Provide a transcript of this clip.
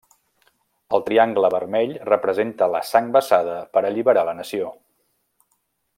El triangle vermell representa la sang vessada per alliberar a la nació.